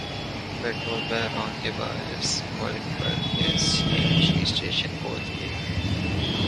petrol بحران کے باعث ملک بھر کے سی این جی اسٹیشن کھول دیئے گئے